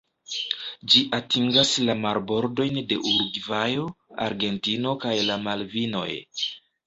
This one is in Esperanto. Ĝi atingas la marbordojn de Urugvajo, Argentino kaj la Malvinoj.